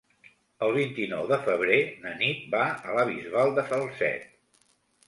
El vint-i-nou de febrer na Nit va a la Bisbal de Falset.